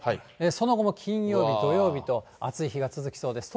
その後も金曜日、土曜日と暑い日が続きそうです。